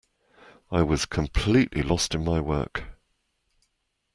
I was completely lost in my work.